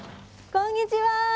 こんにちは。